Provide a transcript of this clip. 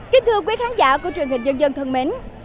kính thưa quý khán giả của truyền hình dân dân thân mến